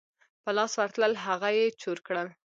په لاس ورتلل هغه یې چور کړل.